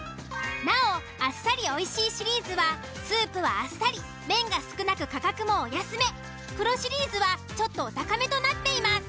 なおあっさりおいしいシリーズはスープはあっさり麺が少なく価格もお安めＰＲＯシリーズはちょっとお高めとなっています。